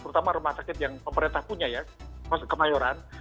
terutama rumah sakit yang pemerintah punya ya kemayoran